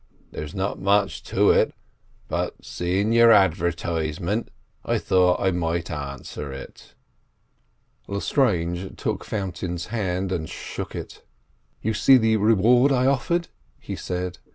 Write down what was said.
There's not much to it, but, seein' your advertisement, I thought I might answer it." Lestrange took Fountain's hand and shook it. "You see the reward I offered?" he said.